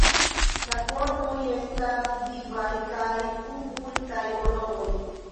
La formoj estas vivaj kaj kun multaj koloroj.